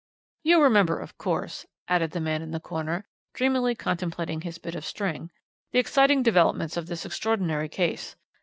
"You remember, of course," added the man in the corner, dreamily contemplating his bit of string, "the exciting developments of this extraordinary case.